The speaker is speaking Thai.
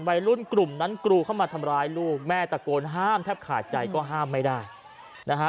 วัยรุ่นกลุ่มนั้นกรูเข้ามาทำร้ายลูกแม่ตะโกนห้ามแทบขาดใจก็ห้ามไม่ได้นะฮะ